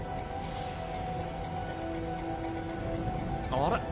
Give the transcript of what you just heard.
あれ？